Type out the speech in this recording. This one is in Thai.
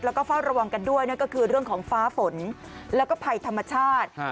แล้วก็เฝ้าระวังกันด้วยนั่นก็คือเรื่องของฟ้าฝนแล้วก็ภัยธรรมชาติ